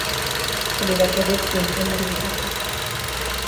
Elle est la cadette d'une famille de huit enfants.